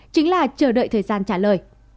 chính là chờ đợi thời gian trả lời